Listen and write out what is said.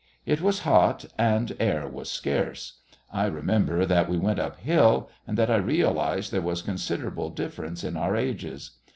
It was hot, and air was scarce. I remember that we went uphill, and that I realised there was considerable difference in our ages.